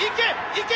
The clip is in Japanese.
いけ！